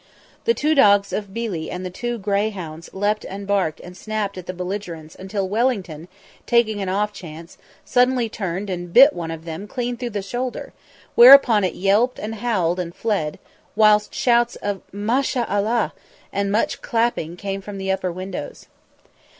The two dogs of Billi and the two greyhounds leapt and barked and snapped at the belligerents until Wellington, taking an off chance, suddenly turned and bit one of them clean through the shoulder; whereupon it yelped and howled and fled, whilst shouts of "Ma sha Allah" and much clapping came from the upper windows.